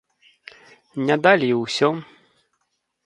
Не далі і ўсё!